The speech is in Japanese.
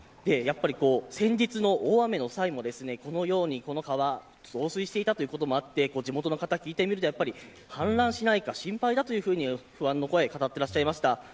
先日の大雨の際もこの川、増水していたこともあって地元の方に聞いてみると氾濫しないか心配だというふうに不安の声を語っていらっしゃいました。